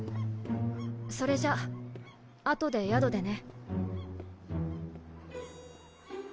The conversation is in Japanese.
それじゃ後で宿でね。